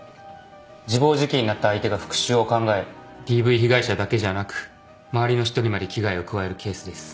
自暴自棄になった相手が復讐を考えＤＶ被害者だけじゃなく周りの人にまで危害を加えるケースです。